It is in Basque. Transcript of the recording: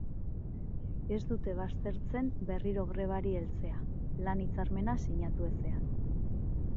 Ez dute baztertzen berriro grebari heltzea, lan-hitzarmena sinatu ezean.